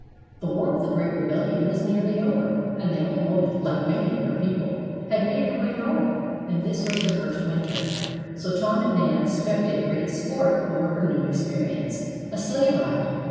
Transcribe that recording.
The war of the great rebellion was nearly over, and the old woman, like many of her people, had made her way North, and this was her first winter; so Tom and Nan expected great sport over her new experience a sleigh ride.